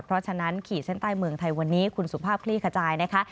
เพราะฉะนั้นขีดเส้นใต้เมืองไทยวันนี้คุณสุภาพคลี่ขจายนะคะ